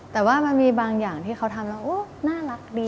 แต่ว่ามันมีบางอย่างที่เขาทำแล้วน่ารักดี